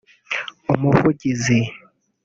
umuvugizi